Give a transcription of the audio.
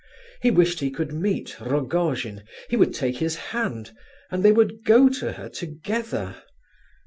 He wished he could meet Rogojin; he would take his hand, and they would go to her together.